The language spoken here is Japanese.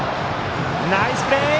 ナイスプレー！